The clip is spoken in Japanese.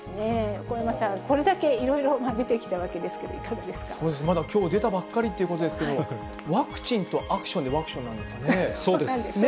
横山さん、これだけいろいろ見てきたわけですけれども、いかがでそうですね、まだきょう出たばっかりということですけど、ワクチンとアクションでワクショそうです。